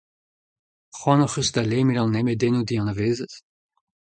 Cʼhoant hocʼh eus da lemel an nemedennoù dianavezet ?